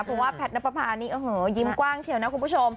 เพราะว่าแพทย์นับประพานี่โอ้โหยิ้มกว้างเชียวนะคุณผู้ชม